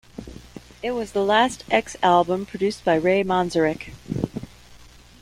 It was the last X album produced by Ray Manzarek.